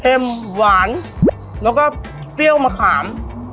หวานแล้วก็เปรี้ยวมะขาม